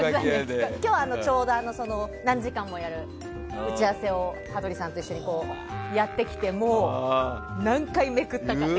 今日はちょうど何時間もやる打ち合わせを羽鳥さんと一緒にやってきて。